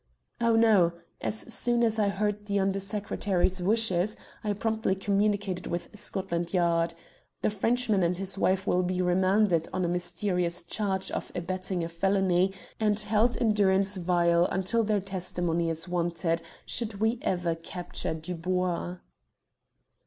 "Oh, no. As soon as I heard the Under Secretary's wishes, I promptly communicated with Scotland Yard. The Frenchman and his wife will be remanded on a mysterious charge of abetting a felony and held in durance vile until their testimony is wanted, should we ever capture Dubois."